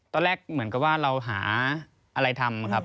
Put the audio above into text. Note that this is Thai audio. ตอนแรกเหมือนกับว่าเราหาอะไรทำครับ